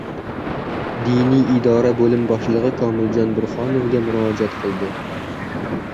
Diniy idora bo‘lim boshlig‘i Komiljon Burhonovga murojaat qildi.